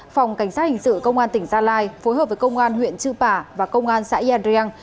phòng cảnh sát hình sự công an tỉnh gia lai phối hợp với công an huyện chư pả và công an xã yà ring